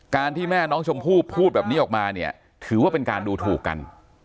ที่แม่น้องชมพู่พูดแบบนี้ออกมาเนี่ยถือว่าเป็นการดูถูกกัน